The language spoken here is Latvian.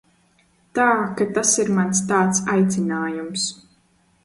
Tā ka tas ir mans tāds aicinājums.